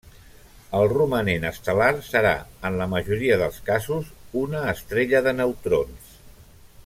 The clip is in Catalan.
El romanent estel·lar serà en la majoria dels casos una estrella de neutrons.